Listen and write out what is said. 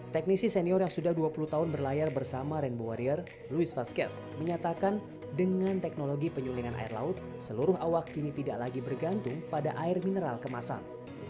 teknisi senior yang sudah dua puluh tahun berlayar bersama rainbow warrior louis vaskes menyatakan dengan teknologi penyulingan air laut seluruh awak kini tidak lagi bergantung pada air mineral kemasan